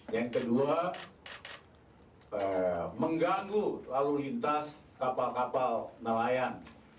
yang kedua mengganggu lalu lintas kapal kapal nelayan